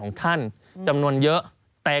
สนุนโดยหวานได้ทุกที่ที่มีพาเลส